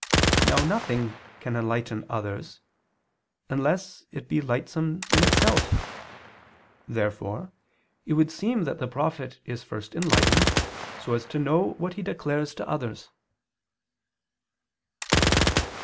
Now nothing can enlighten others unless it be lightsome in itself. Therefore it would seem that the prophet is first enlightened so as to know what he declares to others.